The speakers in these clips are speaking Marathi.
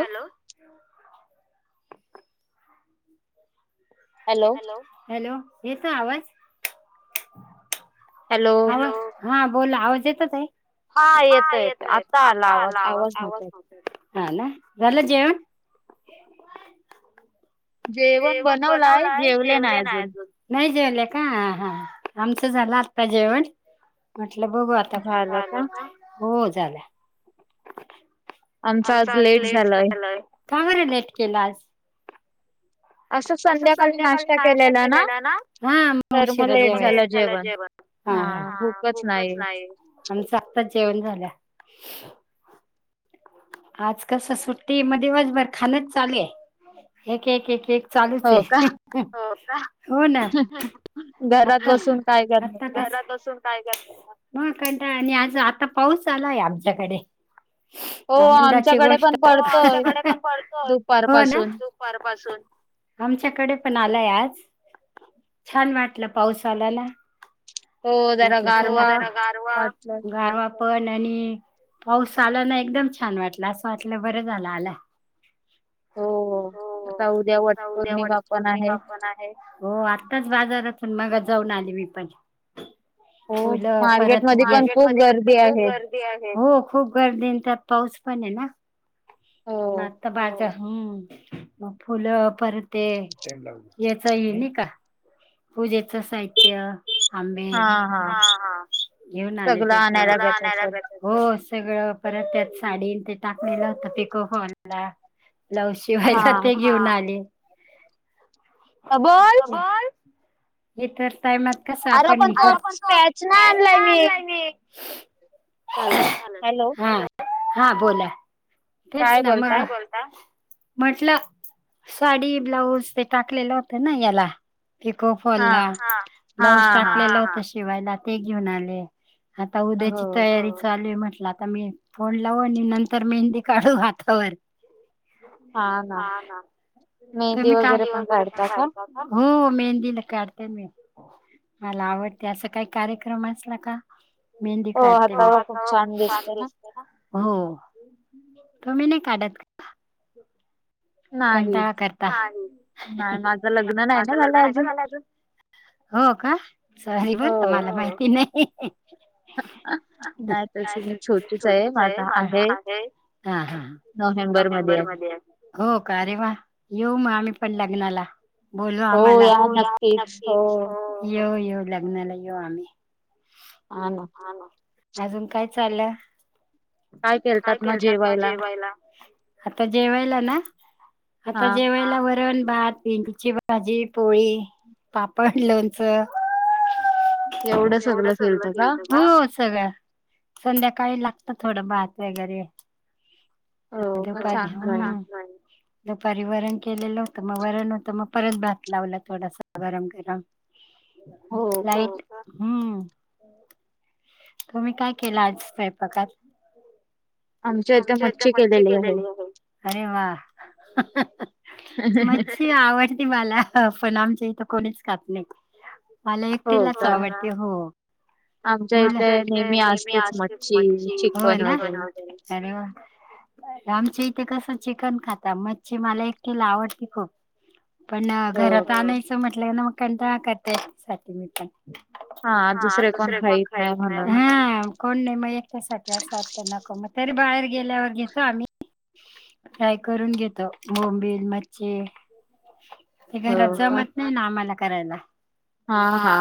हॅलो हॅलो हॅलो येतोय आवाज? हॅलो आवाज हा बोला आवाज येतचं आहे हा येतो येतोय आता येतोय आत्ता आला आवाज आवाज नव्हता येत. हा ना झालं जेवण? जेवण बनवलयं जेवले नाही अजून. नाही जेवले का हा हा हा आमच झालं आता जेवण म्हंटल बघू आता झालं काय हो झालं. आमचं आज लेट झालाय. का बरं लेट केला आज? असं संध्याकाळीचं नाश्ता केलेला ना हम्म मं उशिरा जेवाय त्यामुळे लेट झालं जेवण हा हा हा भूकच नाही, आमचं आत्ताच जेवण झाल्या आज कसं सुट्टी आहे म दिवसभर खाणच चालू आहे एक एक एक एक हो चालूचयं का हं हं हो का हो ना हं घरात आता बसून काय हं करणार आता, का कसं घरात बसून काय करतासा? मग कंटाळा आणि आज आता पाऊस चालू आहे आमच्याकडे, हो आनंदाची आमच्याकडे पण गोष्टचं. हो हं हं हं पडतोय आमच्याकडे पण पडतोय. हो ना, दुपारपासून दुपार पासून आमच्याकडे पण आलाय आज, छान वाटलं पाऊस आलेला. हो जरा म्हटलं चला आत हो गारवा जरा गारवा वाटलं गारवा. पण आणि पाऊस आला ना एकदम छान वाटलं असं वाटलं बर झालं आला. हो होहो उद्या आता उद्या वटपौर्णिमा पण आहे वटपौर्णिमा पण आहे हो आत्ताच बाजारातून मग जाऊन आले मी पण. हो ओलं परत मार्केटमध्ये पण मार्केट खूप मध्ये पण गर्दी खूप आहे गर्दी आहे हो खूप गर्दी अन् त्यात, पाऊस पण आहे ना, मग हो आता बाजर हम्म. मग फुलं परत ये याच ये नी का. पूजेच साहित्य, आंबे हा हा हां हां. घेऊन आले सगळं ते आणाय पण, लागत असेल. हो सगळं परत त्याच साडी अन् ते टाकलेलं होत पिको फॉल ला ब्लाऊज शिवायला हा ते घेऊन आले. हा बोल, हे तर टायमात कस अरे आपण पण हे तो कर स्पॅच नाही [unintelligible] चालेल हॅलो. हा हा बोला तेच ना, मग काय बोलता. म्हटलं साडी ब्लाऊज ते टाकलेलं होतं ना याला. पिको फॉल हा ला हा ब्लाऊज हा. टाकलेल होत शिवायला ते घेऊन आले. आता हो उद्याची तयारी चालू आहे. म्हटलं आता आता मी फोन लावू आणि नंतर मेंदी काढू हातावर. हा ना मेहंदी तुम्ही काम [unintelligible] वगैरे पण काढता का? काढतात ना. मेहंदी ला काढते मी. मला आवडते अस काही कार्यक्रम असला का, मेहंदी काढते हो, हातावर खूप छान दिसते ना हो. तुम्ही नाही काढत का? नाही कंटाळा करता, नाही माझं लग्न नाही माझं लग्न झालंय नाही ना झालय अजून. हो का सॉरी बर का हो. मला माहिती नाही. [inaudible] नाही तशी मी छोटीच आहे माझ आहे हां हा हा. नोव्हेंबर मध्ये आहे. हो का अरे वा येऊ मग आम्ही पण लग्नाला. बोलवा आम्हाला हो या नक्कीच हो येऊ येऊ लग्नाला येऊ आम्ही. हा ना. अजून काय चालंय. काय केलतात मग जेवायला, आता जेवायला ना? हा आता जेवायला वरण. भात भेंडीची भाजी पोळी पापड लोणच. एवढं सगळं केलत, का हो सगळं. संध्याकाळी लागत थोडं भात वगेरे. हो का चांगलं आहे. [unintelligible] दुपारी वरण केलेलं होतं, मग वरण होतं मग परत भात लावला थोडासा गरम गरम. हो का लाईट हम्म. तुम्ही काय केलं आज स्वयंपाकात? आमच्या इथं मच्छी केलेली आहे. अरे वा मच्छी आवड ती मला पण आमच्या इथं कोणीच खात नाहीत. मला हो एकटीलाच का आवडते हो. म्हणजे इथे नेहमी असतेच मच्छी होय ना बनवलेली. [unintelligible] आमच्या इथं कस चिकन खाता, मच्छी मला एकटीला आवडती खूप. पण हो घरात का? आणायचं म्हटलं ना मग कंटाळा करते साठी मी पण. हा दुसरे कोण खाईत नाही. हम्म. कोण नाही म एकट्यासाठी, असं वाटत नको म तरी बाहेर गेल्यावर घेतो आम्ही. फ्राय करून घेताव बोंबील, मच्छी हे हो घरात का जमत नाही ना, आम्हाला करायला, हा हा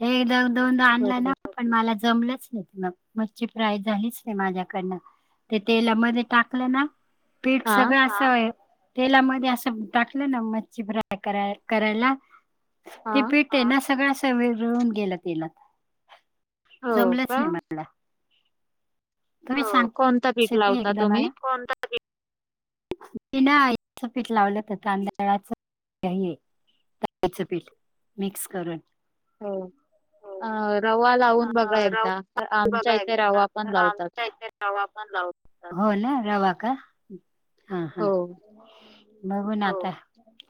हे जाऊन दोनदा आणला ना, बरोबर पण मला जमलच नाही. मगं मच्छी फ्राय झालीच नाही माझ्या कडन. ते तेलामध्ये टाकलं ना, पीठ हा सगळं आसं तेलामध्ये आसं टाकलं ना, मच्छी फ्राय करा करायला हा ती पेटते ना, सगळ आस वीरगळून गेल तेलात. हो जमलंच का नाही मला तुम्ही सांग कोणता पीठ रेसिपी लावता एकदा तुम्ही? मला? बिनाईचं पीठ लावलं का तांदळाच हे? तांदळाचं पीठ मिक्स करून हो अ रवा अ लावून बघा एकदा रवा आमच्या बघा इथे एकदा रवा पण लावतात. आमच्या इथ रवा पण लावतात. ना रवा का, हा हा हो बघू ना आता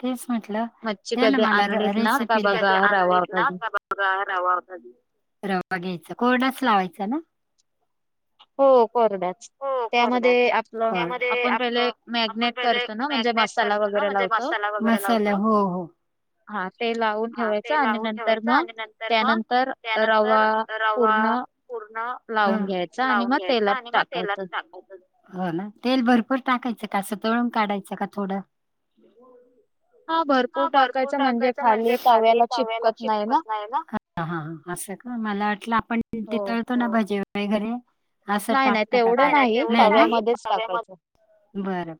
तेच म्हटलं मच्छी दया ना कधी मला आणलीत ना का रेसिपी बघा दया रवा कधी कोरडच लावायच ना? हो कोरडाच हो कोरड्यात त्यामध्ये आपलं त्यामध्ये आपण आपलं पहिले आपण मॅगनेट पहिले करतो ना म्हणजे मॅग्ने मसाला वगैरे लावतो मसाला वगैरे मसाला हो हो हा तेल लावून ठेवायचं, ते आणि लावून नंतर ठेवायचं मग आणि नंतर मग त्यानंतर रवा नंतर रवा पूर्ण लावून घ्यायच आणि मग ते आणि म तेलात टाकायचं हो ना तेल भरपूर टाकायचं का? आस तळून काढायचं का थोडं हा भरपूर टाकायच, म्हणजे खाली तव्याला चिपकत नाही ना मला वाटलं आपण ते हो तळतो ना भाजी वगैरे घरी आसं नाही नाही टाकता का तेवढं नाही? तव्यामध्येच ना टाकायचं बरं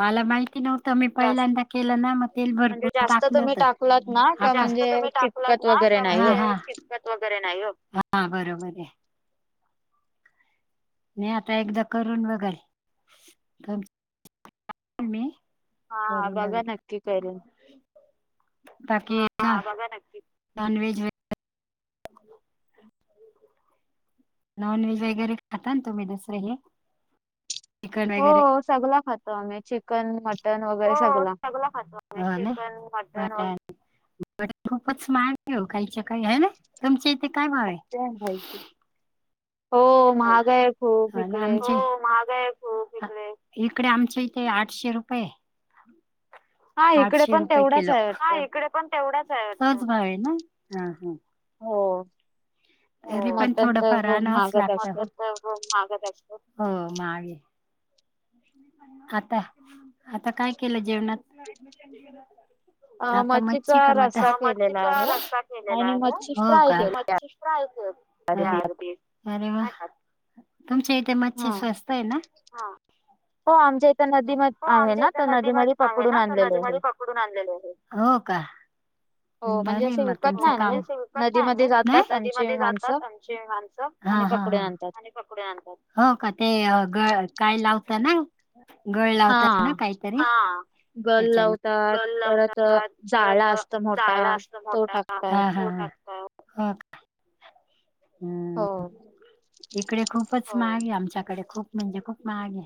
मला माहिती नव्ह त मी जास्त पहिल्यांदा केलं ना, मग तेल म्हणजे भरपूर जास्त टाकलं तुम्ही होत. टाकलात ना का म्हणजे चिपकत वगैरे म्हणजे नाही हो चिटकत वगैरे नाही ओ नाही आता एकदा करून बघाल, मी हा करून बघ बघा नक्की करुन बाकी नॉनव्हेज वै [inaudible] नॉन व्हेज वगैरे खाता ना तुम्ही? दुसरं हे. चिकन वगैरे, हो सगला खातो आम्ही चिकन मटन वगैरे हो सगला. ना खूपच स्मार्ट आहे ओ काहीच्या काही आहे ना, तुमच्या काय भाव आमच्या भाइची हा ना आमची इकडे आमच्या इथे, आठशे रुपये हा इकडे आठशे पण रुपये तेवढाच किलो, आहे वाटतं. तोच भाव आहे ना,? हा हा हो. तरी पण मटण थोडं तर फार खूप आणावच महागच असतो लागत. हो महाग हाय आता, आता काय केलं जेवणात? अ आता मच्छीचा मच्छी का मटन? रस्सा केलेला आहे. आणि मच्छी हो फ्राय का केली अरबीत आरे वा! तुमच्या इथे मच्छी हा. स्वस्त आहे ना? हो आमच्या इथं नदी म हो आहे आमच्या ना इथे तर नदी नदीमध्ये मध्ये आहे पकडून ना, त आणलेले नदीमध्ये आहे. पकडून आणलेले होते हो म्हणजे भारी हे असे म विकत तुमचं नाही काम आणले नदीमध्ये नाह जातात आमची माणसं हा आणि हा पकडून हा. आणतात आणि पकडून आणतात. हो का ते ग काय लावता ना? गळ लावता हा. ना काहीतरी? हा. गल त्याचा लावतात गल परत अ, लावतात परत जाळा असत जाळ मोठा असत तो मोठा. टाकतात. हा हा. मोठासं ह. हम्म. हो इकडे खूपच महागे आमच्याकडे खूप म्हणजे खूप महाग ये.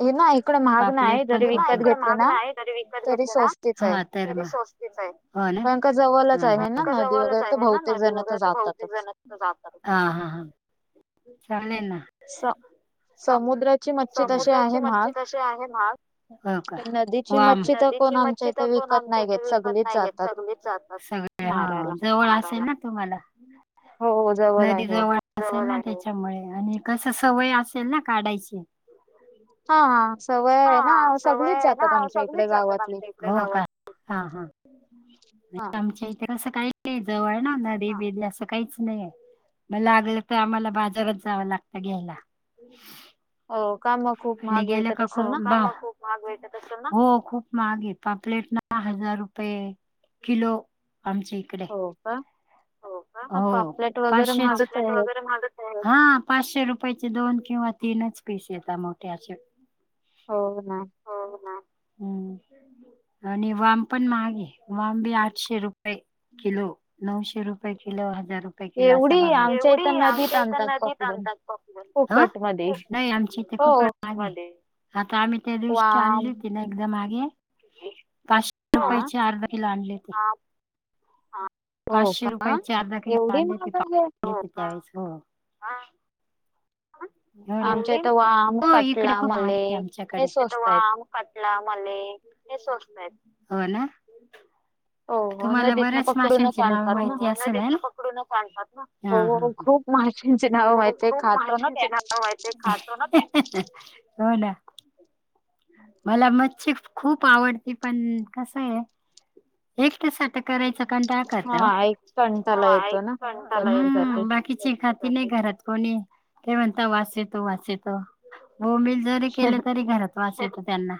हे ना इकडे महाग पापलेट नाही पण जरी खूप महाग विकत इकडे घेतले महाग ना नाय तरी विकत तरी घेतली ना स्वस्तीच आहे. हा तर तरी स्वस्त तय हो ना. कारण का जवळच हा आहे ना हा. नदी जवळच वगैरे तर आहे ना बहुतेक नदी जण तर वगैरे. जातातच. [unintelligible] ह ह चालेल ना. स स समुद्राची मच्छी तशी समुद्राची आहे मच्छी महाग. कशी आहे महाग हो का तर नदीची वाम मच्छी नदी तर कोण दीची मच्छ आमच्या तर इथे कोण विकत आमच्या नाही इथ घेत विकत सगळीच नाही घेत जातात. सगलीच मारायला जातात जवळ असेल ना? तुम्हाला हो नदी आहे. जवळ असेल ना? त्याच्यामुळे आणि कस सवय असेल ना काढायची. हा सवय हा आहे ना हा सवय सगळीच आहे जातात नाही. आमच्या सगळी इकडे जातात गावातली आमच्या इकडे हा हा. हा. आमच्या इथं असं काही जवळये ना नदी बदी असं काहीच नाही म लागलं तर आम्हाला बाजारात जावं लागत घ्यायला. हो का मग खूप महाग गेलं भेटत का ख असेल ना खूप महाग भेटत असेल ना? हो खूप. मागे पापलेट ना हजार रुपये किलो आमच्या इकडे. हो का. हो का हा हो. पापलेट वगैरे पाचशे महागच पापलेट आहेत. वगैरे महागच हाय पाचशे रुपयचे दोन. किंवा तीनच पीस यता मोट्ठे अशे. हो. ना हो ना हम्म. आणि वाम पण महागे वम बी आठशे रुपये. किलो नऊशे रुपये किलो हा हजार रुपये किलो असा एवढी भावये आमच्या एवडी इथं नदीत आमच्या इत आणतात नदीत पकडून आणतात पापलेट फुकट मध्ये कोकणात नाई हो [unintelligible] आता आम्ही त्या दिवशी वाम आणली होती ना एकदम आगे पाचशे हा रुपयाची आर्धा किलो आणली होती. हो पाचशे का रुपयाचे अर्धा किलो एवढी आणले महाग आहे [unintelligible] हा. हो ना आमच्या इथ वा हो इकडे खूप महाग ये आमच्याकडे इथं स्वस्त आहेत. वाम, कटला, मले इतकी स्वास्त होय ना. हो हो तुम्हाला नदीतन बऱ्याच पकडूनच माशांची नावे आणतात ना माहिती असेल ना? पकडूनच आणतात ना. माश्याचे नाव माहितीये खात माशांची नावे माहितीये खातो ना ते अहं अहं हो ना. मला मच्छी खूप आवडती पण कसये एकट्यासाठी करायचं कंटाळा करता ओ. हा एक कंटाला येतो ना [unintelligible] एकट्यासाठी हम्म. बाकीची खाती नाही घरात कोणी. ते म्हणता वास येतो, वास येतो बोंबील जरी केलं तरी घरात वास येतो. त्यांना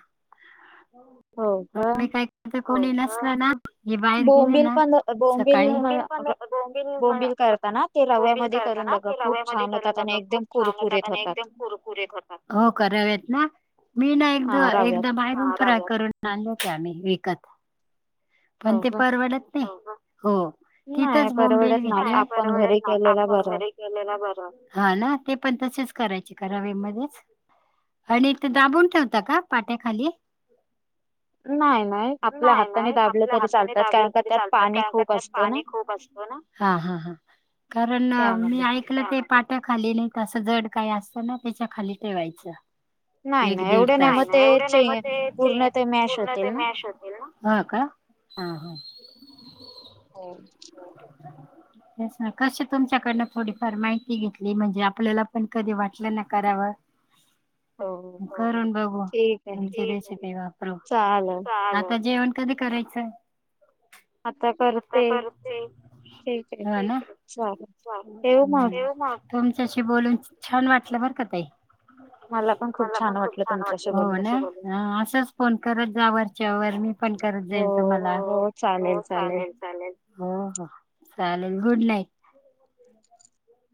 म मी का कोणी नसल ना हे बाहेर गेले बोंबिल ना पण बोंबिल सकाळीं बोंबील पण बोंबिलणा बोंबिल करताना ते बोंबिल रव्यामध्ये काय करून तेना बघा खूप रव्या मधी छान करून होतात बघा. आणि खूप एकदम छान होतात कुरकुरीत आणि एकदम कुरकुरीत होतात हो रव्यात ना. मी ना हा एकदा रव्यात. एकदा बाहेर फ्राय करून आणलते आम्ही विकत. पण हो ते का? परवडत नाई. हो. नाही तिथंच बोंबील परवडत घेतलं. नाही नाई आपण परवडत घरी नाई केलेला आपण बरं. घरी केेलेला बरं. हा ना. ते पण तसेच करायचे का रव्यामध्येच? आणि ते दाबून ठेवता का पाट्याखाली? नाही नाही आपल्या नाय हाताने नाय दाबले आपल्या तरी हाताने चालतात दाबलं कारण का तरी त्यात चालतात पाणी कारण का खूप त्यात असतो ना. पाणी खूप अस तो ना हा हा हा कारण मी त्यामध्ये ऐकलं ते पाटा खाली नाई तस जड काई असत ना त्याच्या खाली ठेवायचं. नाही एक नाही दीड एवढे नाही तास मग नाय नाय ते एवढे नाही मग चे ते चे पूर्ण ते मॅश पूर्ण होतील ते ना. मॅश होतील ना हो का? हा ह. हो स ना कस तुमच्याकडन थोडीफार माहिती घेतली म्हणजे आपल्याला पण कधी वाटलं ना हो करावं करून बघू ठीक आहे तुमची रेसीपी वापरून चालेल आता जेवण कधी करायचंय आता करते ठीक आहे. हा चालेल ठेवू मग नाव मा तुमच्याशी बोलून छान वाटलं बरं का ताई मला पण खूप छान वाटत हो ना असंच फोन करत जावर त्या व मी पण करत हो जाईल तुमला हो चालेल चालेल चालेल हो चालेल गुड नाईट